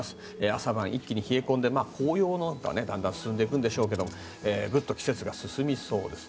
朝晩一気に冷え込んで紅葉なんかはだんだんと進んでいくんでしょうけど季節が進みそうです。